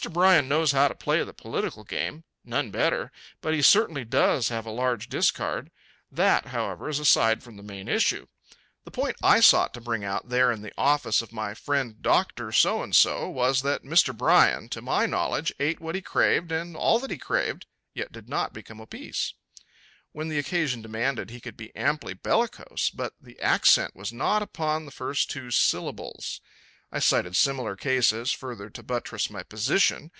Bryan knows how to play the political game none better; but he certainly does have a large discard. That, however, is aside from the main issue. The point I sought to bring out there in the office of my friend Doctor So and so was that Mr. Bryan, to my knowledge, ate what he craved and all that he craved, yet did not become obese. When the occasion demanded he could be amply bellicose, but the accent was not upon the first two syllables. I cited similar cases further to buttress my position.